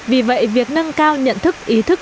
vì vậy việc nâng cao nhận thức ý thức